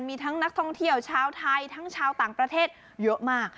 มีทั้งนักท่องเที่ยวชาวไทยทั้งชาวต่างประเทศเยอะมาก